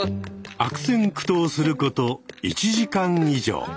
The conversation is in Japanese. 悪戦苦闘すること１時間以上。